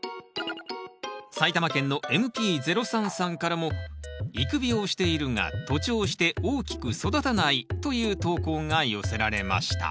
埼玉県のＭｐ−０３さんからも「育苗しているが徒長して大きく育たない」という投稿が寄せられました